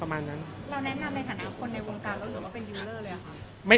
เราแนะนำในฐานอัพคนในวงการแล้วรู้จักว่าเป็นยูลเลอร์เลยหรือครับ